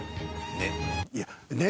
ねっ。